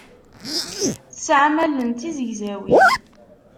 Tesɛam allen d tizegzawin.